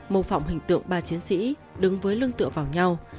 mô phỏng hình tượng ba chiến sĩ đứng với lưng tựa vào nhau